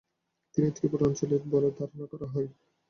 তিনি ত্রিপুরা অঞ্চলের বলে ধারণা করা হয়।